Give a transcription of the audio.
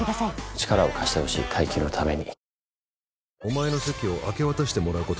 力を貸してほしい泰生のために。